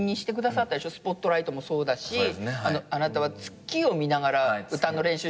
『スポットライト』もそうだしあなたは月を見ながら歌の練習したんでしょ。